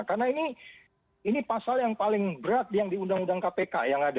karena ini pasal yang paling berat yang diundang undang kpk